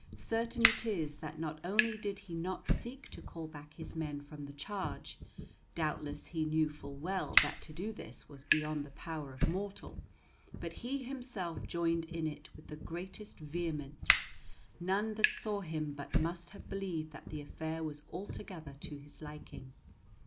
Certain it is that not only did he not seek to call back his men from the charge doubtless he knew full well that to do this was beyond the power of mortal but he himself joined in it with the greatest vehemence; none that saw him but must have believed that the affair was altogether to his liking.